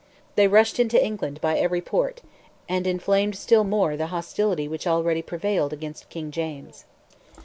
They rushed into England by every port, and inflamed still more the hostility which already prevailed against King James.